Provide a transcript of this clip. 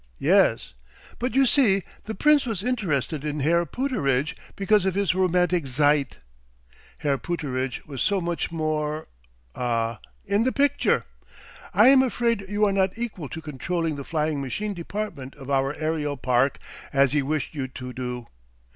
Yes. But you see the Prince was interested in Herr Pooterage because of his romantic seit. Herr Pooterage was so much more ah! in the picture. I am afraid you are not equal to controlling the flying machine department of our aerial park as he wished you to do.